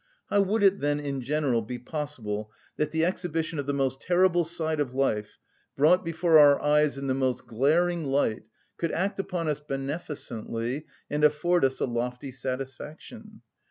How would it, then, in general, be possible that the exhibition of the most terrible side of life, brought before our eyes in the most glaring light, could act upon us beneficently, and afford us a lofty satisfaction?